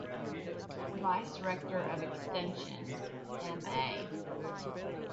Vice rector of Extension: Ma.